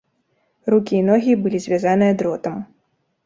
Рукі і ногі былі звязаныя дротам.